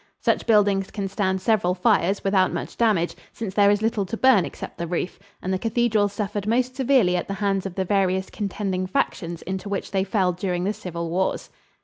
Such buildings can stand several fires without much damage, since there is little to burn except the roof, and the cathedrals suffered most severely at the hands of the various contending factions into which they fell during the civil wars.